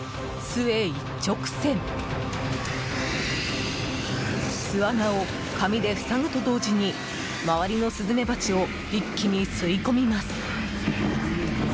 巣穴を紙で塞ぐと同時に周りのスズメバチを一気に吸い込みます。